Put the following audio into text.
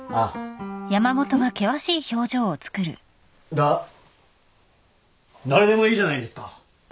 だっ誰でもいいじゃないですか。